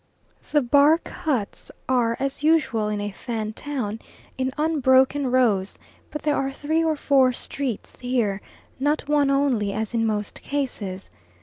The bark huts are, as usual in a Fan town, in unbroken rows; but there are three or four streets here, not one only, as in most cases.